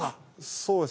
そうです。